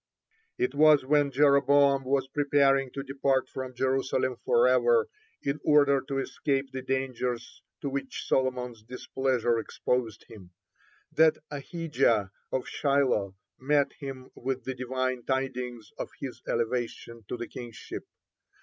(2) It was when Jeroboam was preparing to depart from Jerusalem forever, in order to escape the dangers to which Solomon's displeasure exposed him, (3) that Ahijah of Shilo met him with the Divine tidings of his elevation to the kingship.